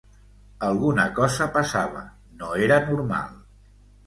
Alguna cosa passava, no era normal.